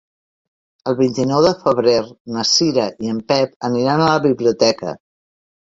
El vint-i-nou de febrer na Cira i en Pep aniran a la biblioteca.